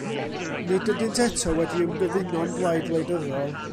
Nid ydynt eto wedi ymgyfuno'n blaid wleidyddol.